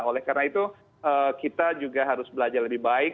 oleh karena itu kita juga harus belajar lebih baik